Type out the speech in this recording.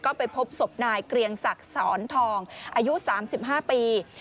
ก็ไปพบศพนายเกรียงศักดิ์สอนทองอายุ๓๕ปี